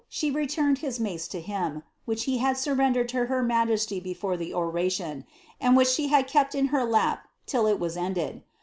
she returned hi mace to him, which he had surrendered to her majesty before the oratioi and which she had kept in her lap till it was ended.